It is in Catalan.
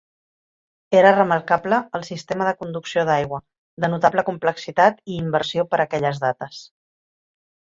Era remarcable el sistema de conducció d'aigua, de notable complexitat i inversió per aquelles dates.